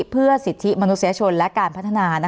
เพื่อสิทธิมนุษยชนและการพัฒนา